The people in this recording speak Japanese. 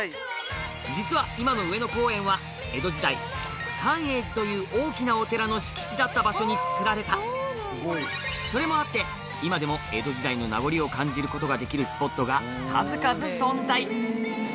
実は今の上野公園は江戸時代寛永寺という大きなお寺の敷地だった場所に造られたそれもあって今でも江戸時代の名残を感じることができるスポットが数々存在！